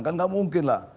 kan nggak mungkin lah